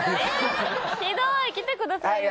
ひどい来てくださいよ。